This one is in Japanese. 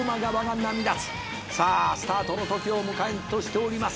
「さあスタートのときを迎えんとしております」